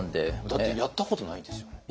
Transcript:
だってやったことないですよね？